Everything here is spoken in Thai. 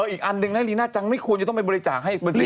อีกอันหนึ่งนะลีน่าจังไม่ควรจะต้องไปบริจาคให้บัญชี